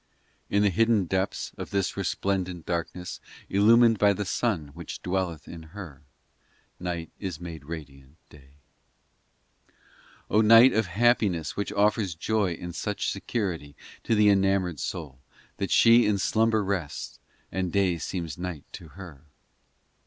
IV In the hidden depths Of this resplendent darkness, Illumined by the Sun Which dwelleth in her, Night is made radiant day 1 O night of happiness Which offers joy in such security To the enamoured soul, That she in slumber rests, And day seems night to her